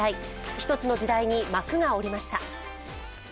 一つの時代に幕が下りました。